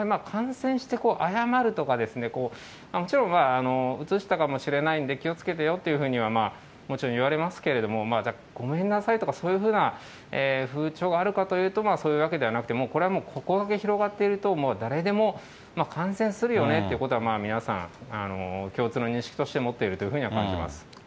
感染して謝るとか、うつしたかもしれないんで気をつけてよというふうにはもちろん言われますけれども、ごめんなさいとか、そういうふうな風潮があるかというと、そういうわけではなくて、これはこれだけ広がっていると、誰でも感染するよねっていうことは、皆さん、共通の認識として持っているというふうには感じます。